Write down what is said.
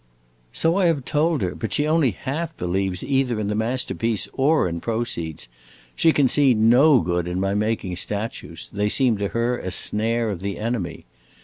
"So I have told her; but she only half believes either in masterpiece or in proceeds. She can see no good in my making statues; they seem to her a snare of the enemy.